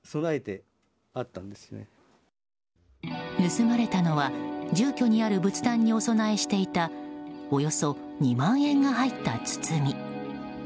盗まれたのは住居にある仏壇にお供えしていたおよそ２万円が入った包み。